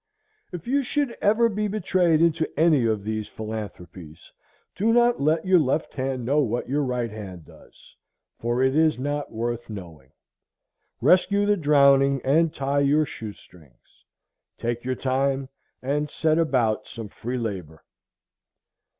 If you should ever be betrayed into any of these philanthropies, do not let your left hand know what your right hand does, for it is not worth knowing. Rescue the drowning and tie your shoe strings. Take your time, and set about some free labor.